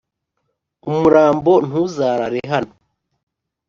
umurambo ntuzarare hano